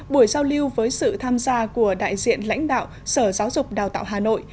buổi giao lưu với sự tham gia của đại diện lãnh đạo sở giáo dục đào tạo hà nội